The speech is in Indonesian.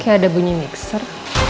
kayak ada bunyi mixer